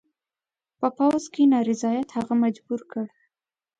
په پوځ کې نارضاییت هغه مجبور کړ.